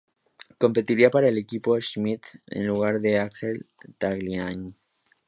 Competiría para el equipo Schmidt en lugar de Alex Tagliani.